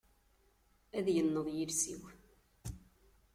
Ad yenneḍ yiles-iw.